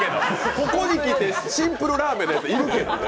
ここにきてシンプルラーメン、いるけど。